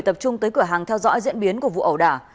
tập trung tới cửa hàng theo dõi diễn biến của vụ ẩu đả